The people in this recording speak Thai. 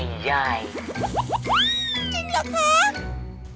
ว้าวจริงหรือคะ